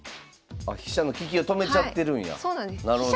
あ飛車の利きを止めちゃってるんや。